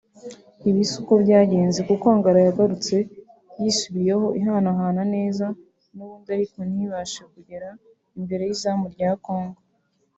Ibi siko byagenze kuko Angola yagarutse yisubiyeho ihanahana neza nubundi ariko ntibashe kugera imbere y’izamu rya Congo